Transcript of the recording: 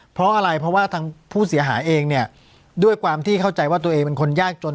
เพราะอะไรเพราะว่าทางผู้เสียหายเองเนี่ยด้วยความที่เข้าใจว่าตัวเองเป็นคนยากจน